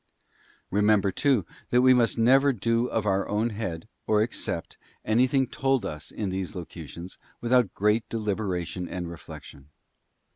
Remember, too, that we must never do of our own head, or accept, anything told us in these locutions, without great deliberation and reflection.